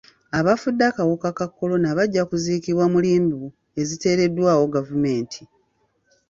Abafudde akawuka ka kolona bajja kuziikibwa mu limbo eziteereddwawo gavumenti.